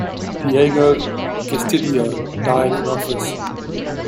Diego Gestido died in office.